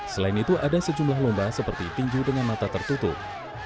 selain itu ada sejumlah lomba seperti tinju dengan mata tertutup